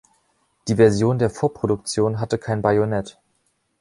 Die Version der Vorproduktion hatte kein Bajonett.